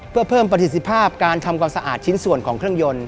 เพื่อเพิ่มประสิทธิภาพการทำความสะอาดชิ้นส่วนของเครื่องยนต์